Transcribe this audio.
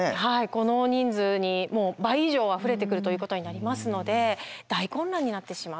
この人数に倍以上あふれてくるということになりますので大混乱になってしまう。